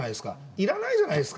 いらないじゃないですか。